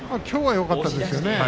きょうはよかったですね。